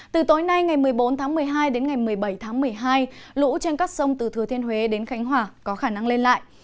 từ tối nay ngày một mươi bốn tháng một mươi hai đến ngày một mươi bảy tháng một mươi hai lũ trên các sông từ thừa thiên huế đến khánh hòa có khả năng lên lại